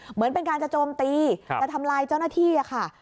เหมือนเป็นการจะโจมตีจะทำลายเจ้าหน้าที่ค่ะ